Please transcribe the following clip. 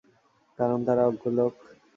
কারণ তারা অজ্ঞ লোক।